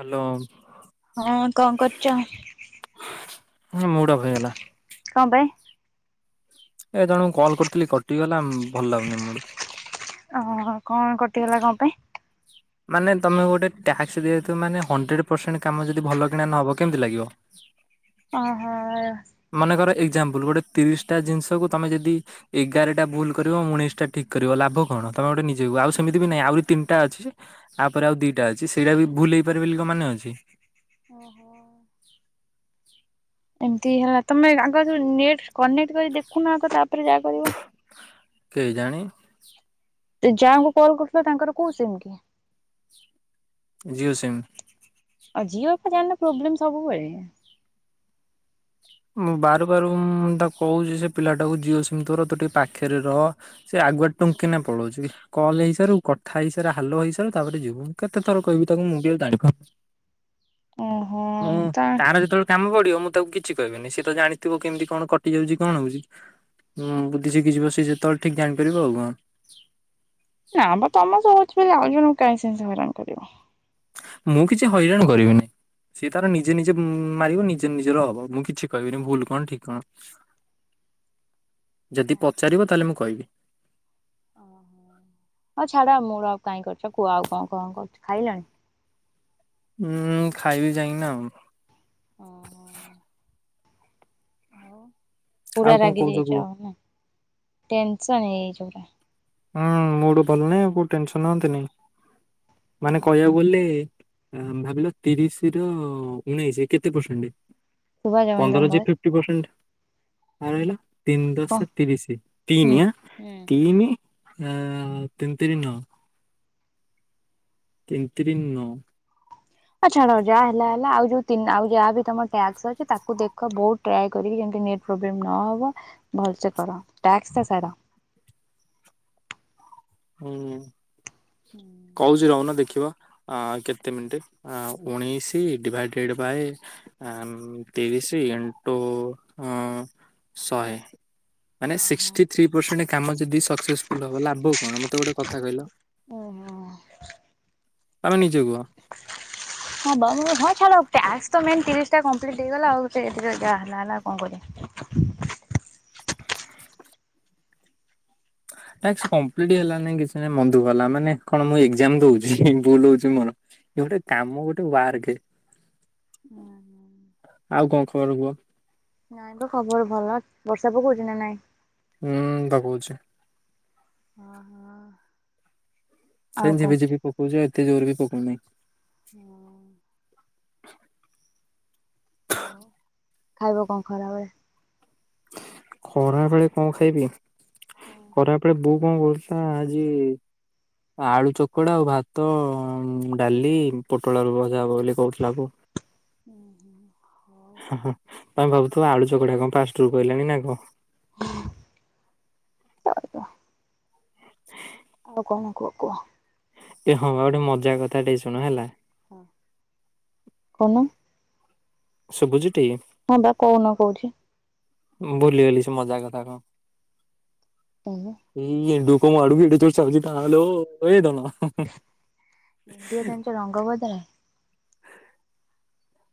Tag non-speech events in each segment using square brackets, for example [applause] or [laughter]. Hello ହଁ କଣ କରୁଛ? ମୁଡ୍ ଅପ୍ ହେଇଗଲା। କଣ ପାଇ, ଏ ତାଙ୍କୁ କଲ୍ କରିୁଥିଲି କଟିି ଗଲା, ଭଲ ଲାଗୁନି ମୁ ଓହୋ ହୋ, କଣ କଟିଗଲା କଣ ପାଇଁ? ମାନେ ତମକୁ ଗୋଟେ ଟ୍ୟାକ୍ସ ଦିଆଯାଇଥିବ ମାନେ ହଣ୍ଡ୍ରେଡ଼ ପରସେଣ୍ଟ କାମ ଯଦି ଭଲକିନା ନହେବ କେମିତି ଲାଗିବ? [inaudible] ଓହୋ। ମନେକର ଏକ୍ଜାମ୍ପୁଲ ଗୋଟେ ତିରିଶି ଟା ଜିନିଷକୁ ତମେ ଯଦି ଏଗାରଟା ଭୁଲ କରିବ ଉଣେଇଶ ଟା ଠିକ୍ କରିବ ଲାଭ କଣ? ତମେ ଗୋଟେ ନିଜେବି କୁହ ଆଉ ସେମିତି ବି ନାହିଁ ଆହୁରି ତିନିଟା ଅଛି। ଆପରେ ଆଉ ଦିଇଟା ଅଛି ସେଇଟା ବି ଭୁଲ ହେଇପାରେ ବୋଲି କଣ ମାନେ ଅଛି। ଓହୋ। ଏମିତି ହେଲା, ତମେ ଆଗ ଯୋଉ ନେଟ୍ କନେକ୍ଟ କରି ଦେଖୁନ ଆଗ ତାପରେ ଯାହା କରିବ। କେଜାଣି? ଯାହାଙ୍କୁ କଲ୍ କରୁଥିଲ ତାଙ୍କର କୋଉ ସିମ୍ କି? ଜିଓ ସିମ୍। ଆଉ ଯିଓ ପା ଜାଣିନ ପ୍ରୋବ୍ଲେମ୍ ସବୁବେଳେ। ମୁଁ ବାର ବାର ମୁଁ ତାକୁ କହୁଛି- ସେ ପିଲାଟାକୁ ଜିଓ ସିମ୍ ତୋର ତୁ ଟିକେ ପାଖରେ ରହ। ସେ ଆଗୁଆ ଟୁଙ୍ଗ୍ କିନା ପଳଉଛି। କଲ୍ ହେଇସାରୁ କଥାା ହେଇସାରେ ହାଲୋ ହେଇସାରୁ ତାପରେ ଯିବୁ କେତେ ଥର କହିବି ତାକୁ ମୁଁ ବି ଆଉ ଜାଣିପାରୁନି। ଓହୋ ମୁଁ ତା ତାର ଯେତେବେଳେ କାମ ପଡିବ ମୁଁ ତାକୁ କି କିଛି କହିବିନି। ସିଏତ ଜାଣିଥିବ କେମିତି କଣ କଟିଯାଉଛି କଣ ହଉଛି। ହୁଁ, ବୁଦ୍ଧି ଶିଖିଯିବ ସିଏ ଯେତେବେଳେ ଠିକ୍ ଜାଣିପାରିବ ଆଉ କଣ। ନା ମ ତମ ସହ ହୋଉଛି ବୋଲି ଆଉ ଜଣଙ୍କୁ କାଇଁ ସେମିତି ହଇରାଣ କରିବ। ମୁଁ କିଛି ହଇରାଣ କରିବିନି। ସିଏ ତାର ନିଜେ ନିଜେ ମାରିବ ନିଜେ ନିଜର ହବ। ମୁଁ କିଛି କହିବିନି ଭୁଲ କଣ ଠିକ୍ କଣ? ଯଦି ପଚାରିବ ତାହେଲେ ମୁଁ କହିବି। ଓହୋ। ହଉ ଛାଡ ଆଉ ମୁଡ୍ ଅଫ୍ କାହିଁ କରୁଛ କୁହ ଆଉ କଣ, କଣ କରୁଛ ଖାଇଲଣି? ମୁଁ ଖାଇବି ଯାଇଁକିନା ଆଉ। ଓ ହୋ। ପୁରା ଆଉ କଣ ରାଗି କହୁଛ କୁହ? ଯାଇଛ ଆଉ। ଟେନସନ୍ ହେଇଯାଇଛ ପୁରା। ହୁଁ ମୁଡ୍ ଭଲ ନାହିଁ କୋଉ ଟେନସନ ହଅନ୍ତିନି। ମାନେ ପୁରା। କହିବାକୁ ଗଲେ ଭାବିଲ ତିରିଶ ରୁ ଉଣେଇସ କେତେ ପରସେଣ୍ଟ? ଶୁଭା ଯାଉନି ପନ୍ଦର ତମ ଭଏସ ଫିପ୍ଟି ପରସେଣ୍ଟ। ଆଉ ରହିଲା ତିନି କଣ ଦଶ ତିରିଶି ହୁଁ ତିନି ଆଁ। ହୁଁ ତିନି ଆ ତିନିତିରି ନଅ। ତିନି ତିରି ନଅ। ଆ ଛାଡ ଯାହା ହେଲା ହେଲା, ଆଉ ଯୋଉ ତିନ୍ ଆଉ ଯାହା ବି ତମ ଟ୍ୟାକ୍ସ ଅଛି ତାକୁ ଦେଖ ବହୁ ଦୟା କରିକି ଯେମିତି ନେଟ୍ ପ୍ରୋବ୍ଲେମ୍ ନହବ ଭଲସେ କର, ଟ୍ୟାକ୍ସଟା ସାର। ହୁଁ, କହୁଛି ରହୁନ ଦେଖିବ। ଅଁ କେତେ ମିନିଟ୍? ଆ ଉଣେଇଶି ଡିଭାଇଡେଡ଼୍ ବାଏ ଆମ୍ ତିରିଶି ଇଣ୍ଟୁ ଅ ଶହେ। ମାନେ ଓହୋ। ସିକ୍ସଟି ଥ୍ରୀ ପରସେଣ୍ଟ କାମ ଯଦି ସକ୍ସେସଫୁଲ୍ ହବ ଲାଭ କଣ? ମୋତେ ଗୋଟେ କଥା କହିଲ। ଓହୋ ତମେ ନିଜେ କୁହ। ହବ। ହଁ ଛାଡ଼ ଟାସ୍କ ତ ମେନ୍ ତିରିଶଟା କମ୍ପ୍ଲିଟ ହେଇଗଲା ଆଉ ସେଥିରେ ଯାହା ହେଲା ହେଲା କଣ କରିବା। ଟାସ୍କ କମ୍ପ୍ଲିଟ ହେଲା ନାଇଁ କିଛି ନାଇଁ ମନଦୁଃଖ ହେଲା। ମାନେ କଣ ମୁଁ ଏକଜାମ୍ ଦଉଚି ଭୁଲ ହଉଚି ମୋର। ଇଏ ଗୋଟେ କାମ ଗୋଟେ ୱାର୍କ। ହୁଁ ହୁଁ। ଆଉ କଣ ଖବର କୁହ? ନାଇଁ ବା ଖବର ଭଲ। ବର୍ଷା ପକଉଚି ନା ନାଇଁ। ହୁଁ ତାକୁକୋହୁଚି। ହଁ ହଁ। ଆଉ ସେମିତି କଣ? ଝିପିଝିପି ପକୋଉଚି ଏତେ ଜୋରେ ବି ପକୋଉନେହିଁ। ହଁ। ଆଉ ଖାଇବ କଣ ଖରାବେଳେ? ଖରାବେଳେ କଣ ଖାଇବି ହଁ ଖରା ଏପଟେ ବୋଉ କଣ କରୁଚି ନା ଆଜି ଆଳୁ ଚକଡା, ଆଉ ଭାତ, ଡାଲି, ପୋଟଳ ଆଳୁ ଭଜା ହବ ବୋଲି କହୁଥିଲା ବୋଉ। [unintelligible] ହଁ ହଁ ତମେ ଭାବୁଥିବ ଆଳୁ ଚକଡା କଣ ପାଷ୍ଟେରୁ କହିଲାଣି ନା କଣ। [inaudible] ଆଉ କଣ କୁହ କୁହ? ଏ ହଁ ଆଉ ଗୋଟେ ମଜା କଥା ଟେ ଶୁଣ ହେଲା। ହଁ କହୁନ? ସୁବୁଚିଟି? ହଁ ପା କହୁନ କୋଉଠି। ମୁଁ ଭୁଲିଗଲି ସେ ମଜା କଥା କଣ। ଉ ହୁଁ। ଏଇ ଏଣ୍ଡୁକକୁ ମୋ ଆଡକୁ ଏଡେ ଜୋରେ ଚାଲୁଚି ଥାଲୋ ଏ ଧନ ହୁଁ ହୁଁ। ସେରଙ୍ଗ ବଦଳାଏ।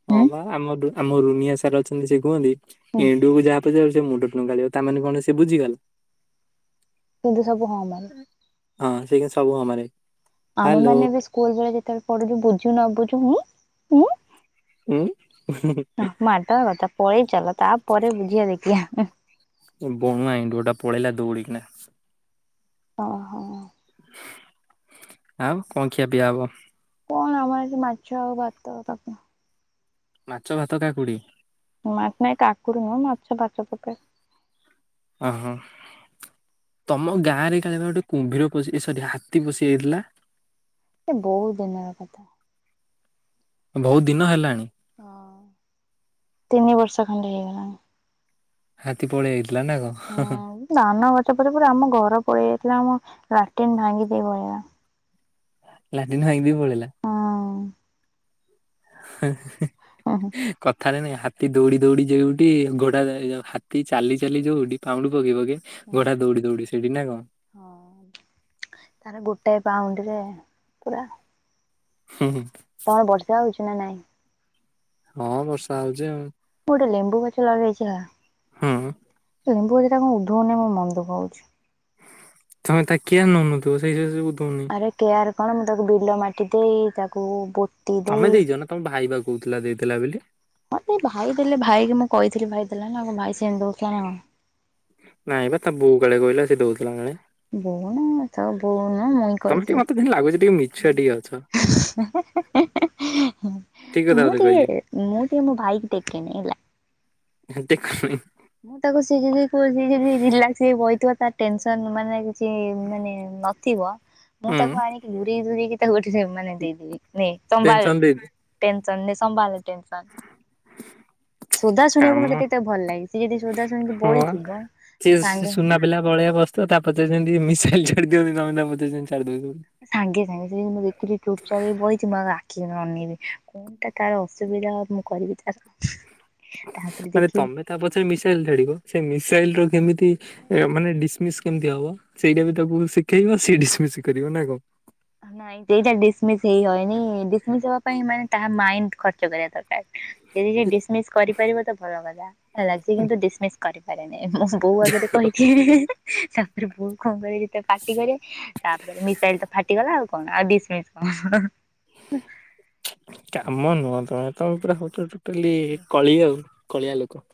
ହଁ ହୁଁ ବା ଆମ ରୁ ଆମ ରୁନିଆ ସାର୍ ଅଛନ୍ତି ସେ କୁହନ୍ତି ହୁଁ ଏଣ୍ଡୁକୁ ଯାହା ପଚାରିବ ସେ ମୁଣ୍ଡ ଟୁଙ୍ଗାରିବ ତା ମାନେ କଣ ସେ ବୁଝିଗଲା। କିନ୍ତୁ ସବୁ ହଁ ମାରେ ହଁ ସିଏ କିନ୍ତୁ ସବୁ ହଁ ମାରେ। ଆମେ ହାଲୋ ମାନେ ବି ସ୍କୁଲ୍ ବେଳେ ଯେତେବେଳେ ପଡୁଚି ବୁଝୁ ନ ବୁଝୁ ହୁଁ ହୁଁ। ଉଁ ତ ମାଡ଼ ପଳେଇ ଚାଲ ତାପରେ ବୁଝିବା ଦେଖିିବା। ବଣୁଆ ଏଣ୍ଡୁଅଟା ପଳେଇଲା ଦଉଡ଼ିକିନା। ଅ ହଁ। ଆଉ କଣ ଖିଆ ପିଆ ହବ? କଣ ହବ ଆଜି ମାଛ ଆଉ ଭାତ ଆଉ ତରକା ମାଛ, ଭାତ କାକୁଡ଼ି। ମା ନାଇଁ କାକୁଡି ନୁହଁ ମାଛ, ଫାଛ ପକାଏ। ଅ ହଁ ତମ ଗାଁ ରେ କାଳେ ପା ଗୋଟେ କୁମ୍ଭୀର ପଶି ଏ ସରି ହାତୀ ପଶିଯାଇଥିଲା? ସେ ବହୁ ଦିନର କଥା। ବହୁ ଦିନ ହେଲାଣି? ହଁ ତିନି ବର୍ଷ ଖଣ୍ଡେ ହେଇଗଲାଣି। ହାତୀ ପଳେଇ ଆଇଥିଲା ନା କଣ ହଁ ହଁ। ହୁଁ ଧାନ ଗଛ ପରେ ପରେ ଆମ ଘର ପଳେଇ ଆଇଥିଲା ଆମ ଲାଟିନ୍ ଭାଙ୍ଗି ଦେଇ ପଳେଇଲା। ଲାଟିନ୍ ଭାଙ୍ଗିଦେଇ ପଳେଇଲା। ହଁ ହେଁ ହେଁ। ଓ ହୋ। କଥାରେ ନାଇଁ ହାତୀ ଦୌଡି ଦୌଡି ଯେଉଠି ଘୋଡା ହାତୀ ଚାଲି ଚାଲି ଯୋଉଠି ପାହୁଣ୍ଡ ପକେଇ ପକେଇ। ହୁଁ ଘୋଡା ଦୌଡି ଦୌଡି ସେଠି ନା କଣ। ହଁ ତାର ଗୋଟାଏ ପାଉଣ୍ଡରେ ପୁରା। ହୁଁ ହୁଁ। କଣ ବର୍ଷା ହଉଚି ନା ନାଇଁ? ହଁ, ବର୍ଷା ହଉଚି ଆଉ। ମୁଁ ଗୋଟେ ଲେମ୍ବୁ ଗଛ ଲଗେଇଚି ନା? ହୁଁ। ଲେମ୍ବୁ ଗଛ ଟା କଣ ଉଧୋଉନି ମୋ ମନ ଦୁଃଖ ହଉଚି। ତମେ ତା କେୟାର ନଉନଥିବ ସେଇଥି ସକାସେ ସେ ଉଧୋଉନି। ରେ କେୟାର୍ କଣ ମୁଁ ତାକୁ ବିଲ ମାଟି ଦେଇ ତାକୁ ପୋ ତମେ ଦେଇଚ ନା ତମ ଭାଇ ବା କହୁଥିଲା ଦେଇଥିଲା ବୋଲି। ହଁ ସେ ଭାଇ ଦେଲେ ଭାଇ କି ମୁଁ କହିଥିଲି ଭାଇ ଦେଲା ନା ଆଉ ଭାଇ ସେମିତି ଦଉଥିଲା ନା କଣ। ନାଇଁ ବା ତା ବୋଉ କୁଆଡେ କହିଲା ସେ ଦଉଥିଲା ନା ନାଇଁ। ଦଉନ ତା ବୋଉ ନା [inaudible] ତମେ ଟିକେ ମତେ ଟିକେ ଲାଗୁଚି ଟିକେ ମିଛୁଆ ଟିକେ ଅଛ। [unintelligible] ଠିକ କଥା ମୁଁ ବୋଧେ କହିଲି ଟିକେ ମୁଁ ଟିକେ ମୋ ଭାଇକ ଟେକେନି ହେଲା। ଏ ଦେଖ ହଁ ମୁଁ ତାକୁ ସେ ଯେବେ [unintelligible] ରିଲାକ୍ସ ହେଇ ବଇଥିବ ତା ଟେନସନ ମାନେ ଚି ମାନେ ନଥିବ ମୁଁ ତାକୁ ଆଣିକି ଘୁରେଇ ତୁରେଇକି ତାକୁ ଏଠି ମାନେ ଦେଇଦେବି ନେ ସମ୍ଭାଳେ ଟେନସନ ଏକୁ। ଦେଇଛି ଟେନସନ ନେ ସମ୍ବାଳେ ଟେନସନ ସୋଧା କାମ ଶୁଣିବାକୁ ମତେ ଟିକେ ତାକୁ ଭଲ ଲାଗେ। ସିଏ ଯଦି ସୋଧା ଶୁଣିକି ହଁ। ବଇଥିବ ସେ ମୋ ସାଙ୍ଗେ ସୁନା ପିଲା ଭଳିଆ ବଶିଥିବ ତା ପଛରେ ଯେମିତି ମିସାଲ ଛାଡି ଦିଅନ୍ତି ସମସ୍ତେ ମତେ ସେମେତେ ଛାଡିଦଉଛନ୍ତି। ସାଙ୍ଗେ ସାଙ୍ଗେ ସେ ମୁଁ ଦେଖିଲି ଚୁପଚାପ ହେଇ ବଇଚି ମୋ ଆଖି ଅନେଇ ଦେଲି କ କଣ୍ଟା ତାର ଅସୁବିଧା ମୁଁ କରିବି ତାର। ତାପରେ ମାନେ ଦେଖିବି ତମେ ତା ପଛରେ ମିସାଇଲି ଛାଡିବ ସେ ମିସାଇଲି ର କେମିତି ମାନେ ଡିସମିସ୍ କେମିତି ହବ ସେଇଟା ବି ତାକୁ ଶିଖେଇବ ସିଏ ଡିସମିସ୍ କରିବ ନା କଣ? ନାଇଁ ସେଇଟା ଡିସମସ୍ ହେଇ ହେଇନି ଡିସମିସ୍ ହବା ପାଇଁ ମାନେ ତାହା ମାଇଣ୍ଡି ଖର୍ଚ୍ଚ କରିବା ଦରକାରେ। ସେଇ ହି ଡିସମି୍ସ କରିପାରିବ ତ ଭଲ କଥା ହେଲା ସେ କିନ୍ତୁ ଡିସମିସ କରିବ ପାରେନି ମୁଁ ଏ ବୋଉ ଆଗରେ କହିଚି ହିଁ -ହିଁ- ହିଁ -ତାପରେ ବୋଉ କଣ କହିବ ତାକୁ ପାଟି କରେ ତାପରେ ମିଶାଇଲି ତ ଫାଟିଗଲା ଆଉ କଣ ଆଉ ଡିସମିସ କଣ। କାମ ନୁହଁ ତମେ ତମେ ପୁରା ହଉଚ ଟୋଟାଲି କଳି ଆଉ କଳିଆ ଲୋକ।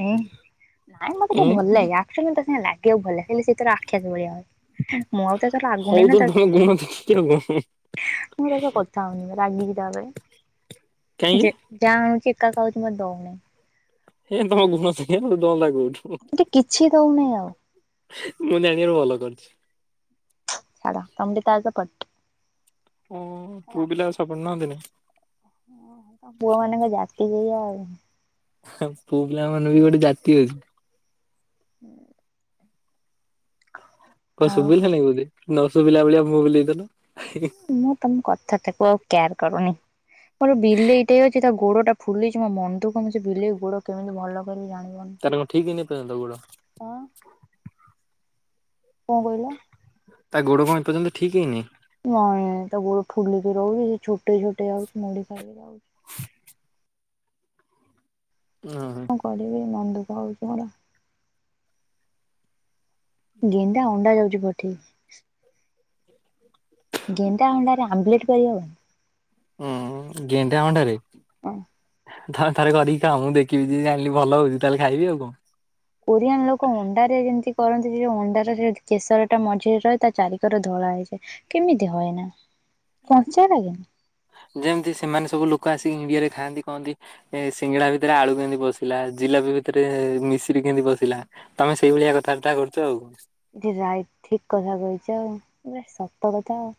ଏଁ ନାଇଁ ମତେ ଟିକେ ଉଁ ଭଲଲାଗେ ୟାର ଅଚ୍ୟୁଲି ତା ସାଙ୍ଗେ ଲାଗିବାକୁ ଭଲଲାଗେ ହେଲେ ସେ ତାର ଆକ୍ଷେପ ଭଳିଆ ହଏ। ମୁଁ ଆଉ ତା ସହ ହଉ ଲାଗୁନି ତ ନା ତା ତମ ଗୁଣ ଦେଖିକି ଆଉ କଣ ମୁଁ ତା ସହ କଥା ହଉନି ରାଗିକି ତା ଉପରେ କାହିଁକି? ଯେ ଯାହା ଆଣୁଚି ଏକା ଖାଉଚି ମତେ ଦଉନାଇଁ। [unintelligible] ମତେ କିଛି ଦଉନି ଆଉ। ମୁଁ ଜାଣିବାରେ ଭଲ କରୁଚି। ଛାଡ଼ ତମେବି ତା ସହ ପଟ। [unintelligible] ଓ ପୁଅ ପିଲା ସପଟ ନିଅନ୍ତିନି? ଅ ହଁ ତମ ପୁଅ ମାନଙ୍କ ଜାତିସେଇଆ ଆଉ। ପୁଅ ପିଲା ମାନଙ୍କ ବି ଗୋଟେ ଜାତି ଅଛି। ହୁଁ। କଣ ଆଉ ଶୁବିଲା ନାଇ ବୋଧେ ନ ଶୁଭିଲା ଭଳିଆ ମୁହଁ ବୁଲେଇ ଦେଲ? ମୁଁ ତମ କଥାଟାକୁ ଆଉ କେୟାର କରୁନି, ମୋର ବିଲେଇଟେ ଅଛି ତା ଗୋଡଟା ଫୁଲିଛି ମୋ ମନଧୁକ ମୁଁ ସେ ବିଲେଇ ଗୋଡ଼ କେମିତି ଭଲ କରହିବେ ଜାଣିପାରୁନି। ତାର କଣ ଠିକ ହେଇେ ନି ଏ ପର୍ଯ୍ୟନ୍ତ ତ ଗୋଡ? ହଁ। କଣ କହିଲ? ତା ଗୋଡ କ ଏ ପର୍ଯ୍ୟନ୍ତ ଠିକ ହେଇନି? ନାଇଁ ତା ଗୋଡ ଫୁଲିକି ରହୁଛି ସେ ଛୋଟ ଛୋଟେ ଯାଉଛି ମୁଡି ଖାଇକି ଯାଉଛି। ହୁଁ ହୁଁ। କଣ କରିବି ମନ ଦୁଃଖ ହଉଛି ମୋର। ଗେଣ୍ଡା ଅଣ୍ଡା ଯାଉଛି ପଠିକି। ଗେଣ୍ଡା ଆଣ୍ଡରେ ଆମ୍ପ୍ଲିଟ କରିି ହେଵ? ହଁ ଗେଣ୍ଡା ଅଣ୍ଡାରେ? ହ। ତମେ ଥରେ କରିକି ଖାଓ ମୁଁ ଦେଖିବୀ ଯେ ଜଣିଲି ଭଲ ହଉଛି ତାହେଲେ ଖାଇବି ଆଉ କଣ। କୋରିଆନ୍ ଲୋକ ଅଣ୍ଡାରେ ଯେମିତି କରନ୍ତି ଯେଉ ଅଣ୍ଡାର କେଶରଟା ମଝିରେ ରହେ ତା ଚାରିିକର ଧଳା ହେଇାଯାଏ। କେମିତି ହଏନା କଞ୍ଚା ଲାଗନି? ଯେମିତି ସେମାନେ ସବୁ ଲୋକ ଆସିକି ଇଣ୍ଡିଆରେ ଖାଆନ୍ତି କହନ୍ତି ଏ ସିଙ୍ଗଡା ଭିତରେ ଆଳୁ କେମିତି ପସିଲା, ଜିଲାପି ଭିତରେ ମିଶରିି କେମିତି ପସିଲା। ତମେ ସେଇଭଳିଆ କଥାବାର୍ତ୍ତା କରୁଛ ଆଉ। ଏ ରାଇଟ ଠିକ କଥା କହିଛ ଆଉ ଶତ କଥା ଆଉ।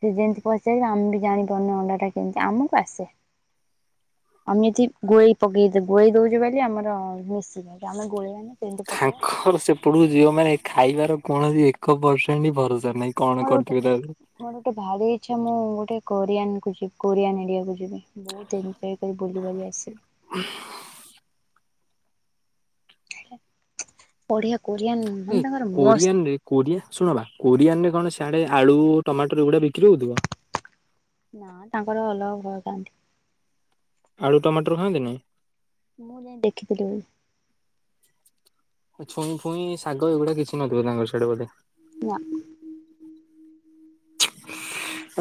ସେ ଯେମିତି ପଚାରିବେ ଆମ ବି ଜାଣିପାରୁନୁ ଅଣ୍ଡା ଟା କେମିତି ଆମକୁ ଆସେ। ଆମେ ଏଠି ଗୋଳେଇ ପକେଇ ଗୋଳେଇ ଦଉଛୁ ବୋଲି ଆମର ମିଶ ଆମ ଗୋଳେଇ ମାନେ ତାଙ୍କର ସେପଟକୁ ଯିବ ମାନେ ଖାଇବାର କୌଣସି ଏକ ପରସେଣ୍ଟ ଭରସା ନାହିଁ। କଣ ମୋର ଗୋଟେ କରିଥିବେ ତା ମୋର ଗୋଟେ ଭାରି ଇଚଛା ମୁଁ ଗୋଟେ କୋରିଆନ କୁ ଯିବି କୋରିଆନ ଏଡିଆକୁ ଯିବି। ବହୁତ [unintelligible] ବୁଲି ବଲି ଆସବି। [unintelligible] [inaudible] ବଢିଆ କୋଆ ଏ କୋରିଆନ ରେ କୋରିଆ [unintelligible] କୋରିଆନ ରେ କଣ ସିଆଡେ ଆଳୁ, ଟମାଟର ଏଗୁଡ଼ା ବିକ୍ରି ହଉଥିବ? ନା ତାଙ୍କର ଅଲଗ ଭଲ ଥାଆନ୍ତି। ଆଳୁ ଟମାଟର ଖାଆନ୍ତି ନି? ମୁଁ ଯାଇ ଦେଖିଥିଲି ଛୁଇଁ ଫୁଇଁ ଶାଗ ଏଗୁଡା କିଛି ନଥିବ ତାଙ୍କର ସିଆଡେ ବୋଧେ? ନା।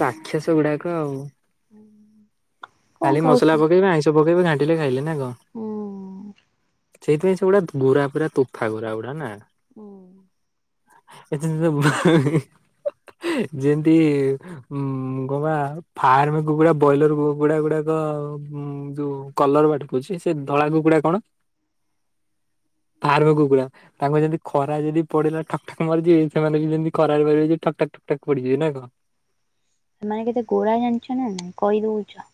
ରାକ୍ଷସ ଗୁଡାକ ଆଉ। କଣ ଖାଲି ଖାଉଛୁ ମସଲା ହୁଁ। ପକେଇବେ ଆଇଁଷ ପକେଇବେ ଘାଣ୍ଟିଲେ ଖାଇଲେ ନା କଣ? ସେଇଥି ପାଇଁ ସେଗୁଡା ପୁରା ପୁରା ତୋଫା ଗୁର ଗୁଡା ନା? ହୁଁ। ଏ ଯେମତି ଯଦି ହୁଁ ଗୋବା ଫାର୍ମ କୁକୁଡା ବ୍ରଲର କୁକୁଡା ଗୁଡାକର ଡ ଉ ଯୋଉ କଲର ବାଟୁ ବୁଛି ସେ ଧଳା କୁକୁଡା କଣ? ଫାର୍ମ କୁକୁଡ଼ା ତାଙ୍କ ଯେମିତି ଖରା ଯଦି ପଡିଲା ଟଠକ୍ଟାକ ମରିଯିବ ସେମାନେ ବି ଯେମିତି କରାରେ ପାରିବେ ଠକ୍ଟକ୍ ଟକ୍ଟକ୍ ପଡିଯିବ ନା କଣ? ସେମାନେ କେତେ ଗୋରା ଜାଣିଛ ନା ନାଇଁ କହିଦଉଛ।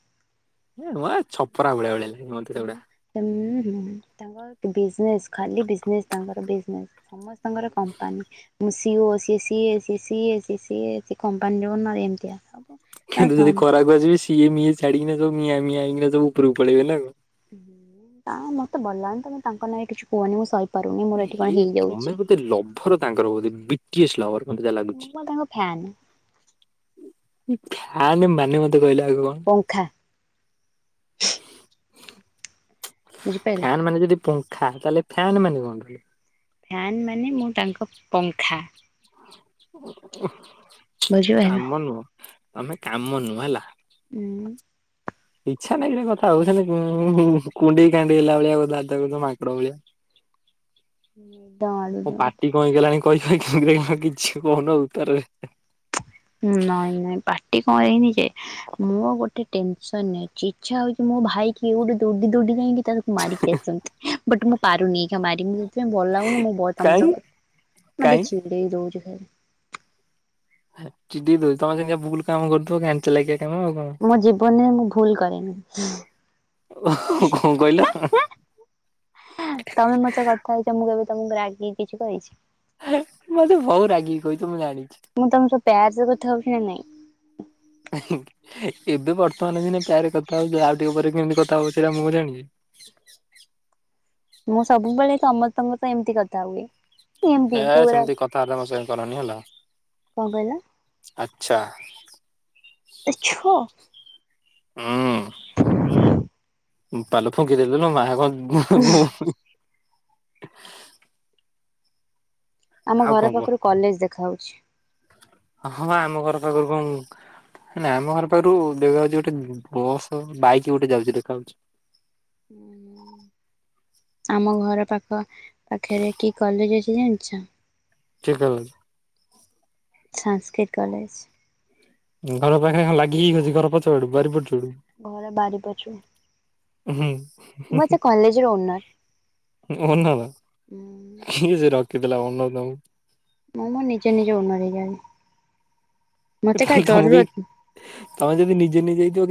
ଏ ନୂଆ ଛପରା ଭଳିଆ ଭଳିଆ ଲାଗିବ। ହୁଁ, ହୁଁ ତାଙ୍କର ବିଜନେସ୍ ଖାଲି ବୀଜନେସ୍ ତାଙ୍କର ବିଜନେସ୍। ସମସ୍ତଙ୍କର କମ୍ପାନୀ ମୁଁ ସିଓ ସିଏ ସିଏ ସିଏ ସିିଏ ସିଏ କମ୍ପାନୀ ର ଓନର୍ ଏମତିଆ। କିନ୍ତୁ ଯଦି ଖରାପ୍ ଆସିବେ ସିଏ ମିଏ ଛାଡି କିନା ସବୁ ମିଆ ମିଆଁ ହେଇକିନା ସବ ଉପରକୁ ପଳେଇବେ ନା କଣ? ନା ମତେ ଭଲ ଲାଗୁନି ତମେ ତାଙ୍କ ନାଗି କିଛି କୁହନି ମୁଁ ସହିପାରୁନି ମୋର ଏଠି ହେ କଣ ତମେ ହେଇଯାଉଛି। ବୋଧେ ଏ ଲଭର ତାଙ୍କର ବଧେ ବିପି ଏସ୍ ଲଭର ସେ ମତେ ଯାହା ମୁଁ ଲାଗୁଛି। କଣ ତାଙ୍କ ଫ୍ୟାନ୍ ଫ୍ୟାନ୍ ମାନେ ମତେ କହିଲ ଆଗ କଣ? ପଙ୍ଖା। ବୁଝିପାରିଲ ଫ୍ୟାନ ମାନେ ଯଦି ପଙ୍ଖା ତାହେଲେ ଫ୍ୟାନ ମାନେ କଣ ଫ୍ୟାନ୍ ମାନେ ମୁଁ ତାଙ୍କ ପଙ୍ଖା। ଓହୋ ବୁଝିପାରିଲ କାମ ନୁହଁ ତମେ କାମ ନୁହଁ ହେଲା। ହୁଁ। ଇଚ୍ଛା ନାହିଁ ଭି କଥା ହବାକୁ ଖାଲି ହୁଁ କୁଣ୍ଡେଇ କଣ୍ଡେଇ ହେଲା ଭଳିଆ କଥା ବାର୍ତା କରୁଛ ମାଙ୍କଡ ଭଳିଆ। ନିଦ [inaudible] ମାଡୁଛି ମୋ ମତେ। ପାଟି କଣ ହେଇ ରଗଲାଣି କହି କହି ଦେଖିଲା ବେକକୁ କିଛି କହୁନ ଉତ୍ତରରେ [unintelligible] ନାଇଁ ନାଇଁ ପାଟି କଣ ହେଇନି ଯେ ମୁଁ ଗୋଟେ ଟେନସନ ରେ ଅଛି ଇଛା ହଉଛି ମୋ ଭାଇ କି ଗୋଟେ ଦୌଡି ଦୌଡି ଯାଇକି ତାକୁ ମାରିକି ଆସନ୍ତି ବଟ୍ ମୁଁ ପାରୁନି ଏହି ଖା ମାରି ମୁଁ ସେଥିପାଇଁ ଭଲ ଲାଗୁନି ମୁଁ ବ ତମ କାଇଁ ସବୁ ମତେ କାଇଁ ଚିଡେଇ ଦଉଛି ଖାଲି। ଚିଡେଇ ଦଉଛି ତମେ ସେମିତିଆ ଭୁଲ୍ କାମ କରିଥିବ, ଗାଣ୍ଡୀ ଚାଲାଖିଆ କାମ ଆଉ କଣ। ମୋ ଜୀବନରେ ମୁଁ ଭୁଲ କରେନି [unintelligible] ଓହୋ କଣ କହିଲ? [unintelligible] ତମେ ମୋ ସହିତ କଥା ହେଇଛ ମୁଁ କେବେ ତମକୁ ରାଗି କିଛି କହିଛି। ମତେ ବହୁ ରାଗିକି କହିଥିବୁ ମୁଁ ଜାଣିଛି। ମୁଁ ତମ ସହ ପ୍ୟାର୍ ସେ କଥା ହଉଛିି ନା ନାଇଁ? ଏବେ ବର୍ତ୍ତମାନ ସିନା ପ୍ୟାରେ କଥା ହଉଛ ଆଉ ଟିକେ ପରେ କେମିତି କଥା ହବ ସେଇଟା ମୁଁ ଜାଣିନି। ମୁଁ ସବୁବେଳେ ସମମସ୍ତଙ୍କ ସହ ଏମିତି କଥା ହୁଏ। ଏ ଏମିତି ପୁରା ସେମିତି କଥାବାର୍ତ୍ତା ମୋ ସାଙ୍ଗେ କରନି ହେଲା କଣ କହିଲ ଆଛା। ଆଛୋ। ହୁଁ ପାଲ ଫୁଙ୍କିଦଲୁ ନୁ ମା ହବ [unintelligible] ଆମ ଆଉ କଣ ଘର କୁହ? ପାଖରୁ କଲେଜ୍ ଦେଖା ହଉଛି। ହଁ, ଆମ ଘର ପାଖରୁ କଣ? ନା ଆମ ଘର ପାଖରୁ ଦେଖା ହଉଛି ଗୋଟେ ବସ୍ ବାଇକ୍ ଗୋଟେ ଯାଉଛି ଦେଖାହଉଛି। ହୁଁ, ହୁଁ। ଆମ ଘର ପାଖ ପାଖରେ କି କଲେଜ୍ ଅଛି ଜାଣିଛ? କି କଲେଜ୍? ସାଂସ୍କ୍ରିଟ୍ କଲେଜ୍। ଘର ପାଖା ଲାଗିକି ଅଛି ଘର ପଛ ପଟୁ ବାରି ପଟରୁ [unintelligible] ଘର ବାରି ପଛୁ ରୁ। ହୁଁ। ମୁଁ ପା ସେ କଲେଜ୍ ର ଓନର୍। ଓନର କିଏ ସେ ରଖିଥିଲା ଅନର ତମକୁ? ମୁଁ ମଁ ନିଜେ ନିଜେ ଓନର ହେଇଯାଏ। ମତେ କାହା ତାହେଲେ ଧମକେଇ ଜରୁରତ ତମେ ଯଦି ନିଜେ ନିଜେ ହେଇଥିବ